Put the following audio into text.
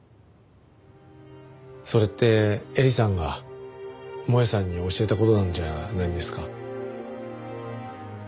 それってエリさんが萌絵さんに教えた事なんじゃないんですか？